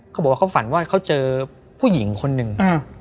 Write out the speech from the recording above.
เขาบอกว่าเขาฝันว่าเขาเจอผู้หญิงคนหนึ่ง